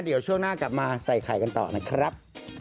เดี๋ยวช่วงหน้ากลับมาใส่ไข่กันต่อนะครับ